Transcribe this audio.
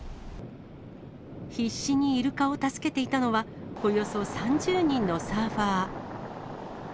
必死にイルカを助けていたのは、およそ３０人のサーファー。